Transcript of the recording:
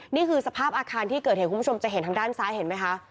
นี่คือสภาพอาคารที่เกิดเหตุคุณผู้ชมจะเห็นทางด้านซ้ายเห็นไหมคะ